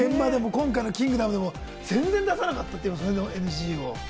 今回の『キングダム』でも全然出さなかったってね、ＮＧを。